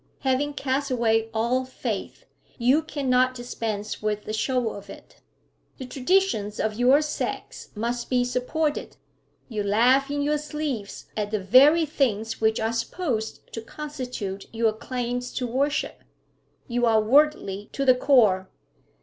Having cast away all faith, you cannot dispense with the show of it; the traditions of your sex must be supported. You laugh in your sleeves at the very things which are supposed to constitute your claims to worship; you are worldly to the core.